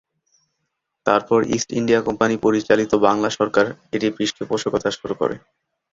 তারপর East India Company পরিচালিত বাংলা সরকার এটি পৃষ্ঠপোষকতা শুরু করে।